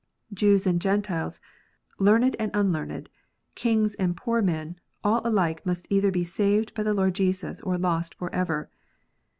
Jews and Gentiles, learned and unlearned, kings and poor men, all alike must either be saved by the Lord Jesus, or lost for ever.